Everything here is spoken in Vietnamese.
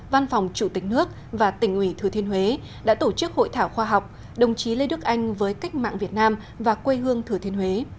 văn phòng chủ tịch nước và tỉnh ủy thừa thiên huế đã tổ chức hội thảo khoa học đồng chí lê đức anh với cách mạng việt nam và quê hương thừa thiên huế